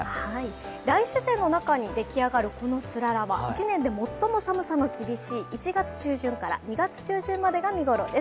大自然の中に出来上がるこのつららは一年で最も寒さが厳しい１月中旬から２月中旬までが見頃です。